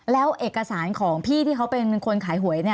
แล้วเอกสารของพี่ที่เขาเป็นคนขายหวย